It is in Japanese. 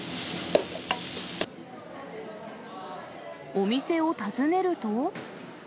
お店を訪ねると。